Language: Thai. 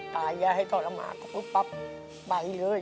อย่าให้ทรมานก็ปุ๊บปั๊บไปเลย